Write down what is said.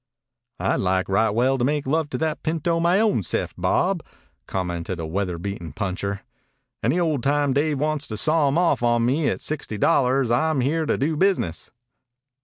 "I'd like right well to make love to that pinto my own se'f, Bob," commented a weather beaten puncher. "Any old time Dave wants to saw him off onto me at sixty dollars I'm here to do business."